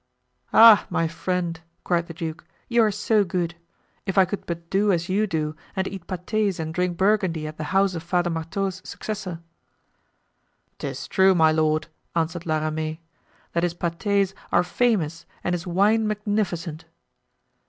"Ah, my friend!" cried the duke, "you are so good; if I could but do as you do, and eat pates and drink Burgundy at the house of Father Marteau's successor." "'Tis true, my lord," answered La Ramee, "that his pates are famous and his wine magnificent."